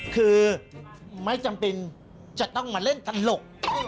คือไม่จำเป็นจะต้องมาเล่นตลก